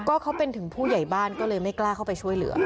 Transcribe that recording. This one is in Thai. ก็เขาเป็นถึงผู้ใหญ่บ้านก็เลยไม่กล้าเข้าไปช่วยเหลือ